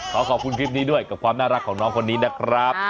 ขอขอบคุณคลิปนี้ด้วยกับความน่ารักของน้องคนนี้นะครับ